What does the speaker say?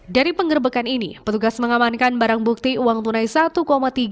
dari penggerbekan ini petugas mengamankan barang bukti uang tunai rp satu tiga